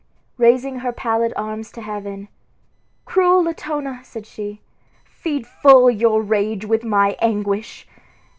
Raising her pallid arms to heaven, "Cruel Latona," said she, "feed full your rage with my anguish!